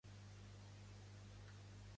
On s'adorava a Septu?